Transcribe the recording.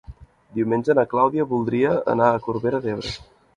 Diumenge na Clàudia voldria anar a Corbera d'Ebre.